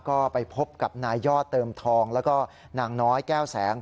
ก็ไปพบกับนายยอดเติมทองแล้วก็นางน้อยแก้วแสง